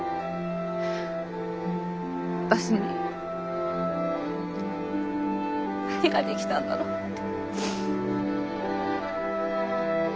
私に何ができたんだろうって。